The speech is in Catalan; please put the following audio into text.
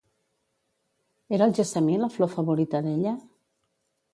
Era el gessamí la flor favorita d'ella?